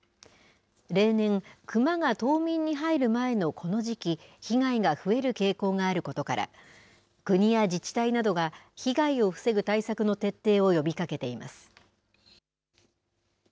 例年、熊が冬眠に入る前のこの時期被害が増える傾向があることから国や自治体などが被害を防ぐ対策の徹底を呼びかけています。